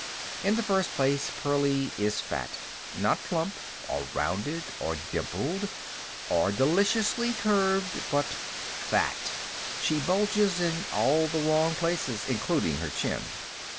In the first place, Pearlie is fat. Not, plump, or rounded, or dimpled, or deliciously curved, but FAT. She bulges in all the wrong places, including her chin.